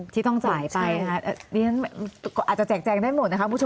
ที่ต้องจ่ายไปอาจจะแจกแจงได้หมดนะคะคุณผู้ชม